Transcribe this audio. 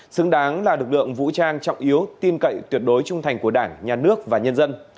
xứng đáng là lực lượng vũ trang trọng yếu tin cậy tuyệt đối trung thành của đảng nhà nước và nhân dân